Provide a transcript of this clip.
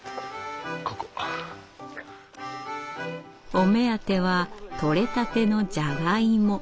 お目当てはとれたてのじゃがいも。